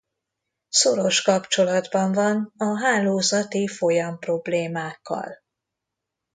Szoros kapcsolatban van a hálózati folyam-problémákkal.